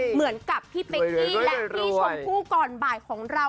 เหมือนกับพี่เป๊กกี้และพี่ชมพู่ก่อนบ่ายของเรา